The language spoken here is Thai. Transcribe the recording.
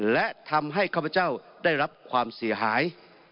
และทำให้ข้าพเจ้าได้รับความเสียหาย